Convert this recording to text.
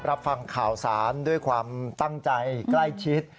รับฟังข่าวสารด้วยความตั้งใจใกล้ชิด